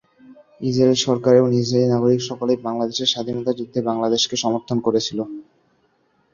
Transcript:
Israel সরকার এবং Israeli নাগরিক সকলেই বাংলাদেশের স্বাধীনতা যুদ্ধে বাংলাদেশকে সমর্থন করেছিলো।